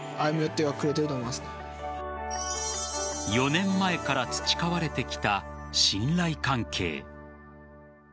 ４年前から培われてきた信頼関係。